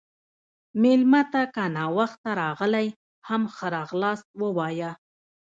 مېلمه ته که ناوخته راغلی، هم ښه راغلاست ووایه.